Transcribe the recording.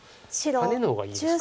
ハネの方がいいですか。